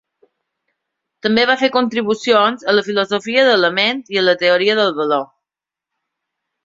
També va fer contribucions a la filosofia de la ment i la teoria del valor.